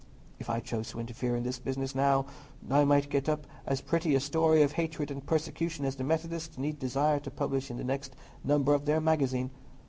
If I chose to interfere in this business, now, I might get up as pretty a story of hatred and persecution as the Methodists need desire to publish in the next number of their magazine.